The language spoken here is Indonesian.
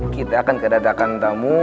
kita akan kedatakan tamu